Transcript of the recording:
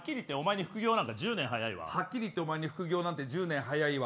はっきり言ってお前に副業なんて１０年早いわ。